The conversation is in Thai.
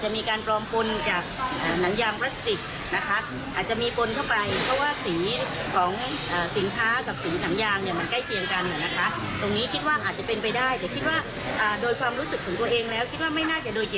ไม่น่าจะโดยเกตนาที่จะปลอมขน